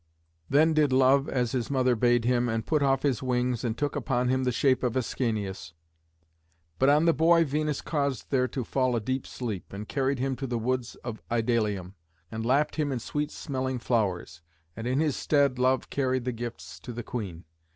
Then did Love as his mother bade him, and put off his wings, and took upon him the shape of Ascanius, but on the boy Venus caused there to fall a deep sleep, and carried him to the woods of Idalium, and lapped him in sweet smelling flowers. And in his stead Love carried the gifts to the queen.